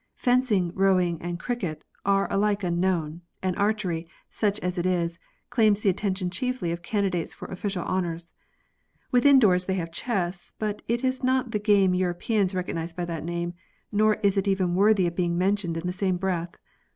Fencing, rowing, and cricket, are alike unknown ; and archery, such as it is, claims the attention chiefly of candidates for official honours. Within doors they have chess, but it is not the game Europeans recognise by that name, nor is it even worthy of being mentioned in the same breath.